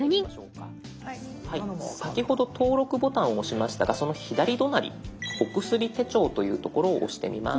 先ほど登録ボタンを押しましたがその左隣「お薬手帳」という所を押してみます。